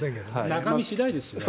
中身次第ですよ。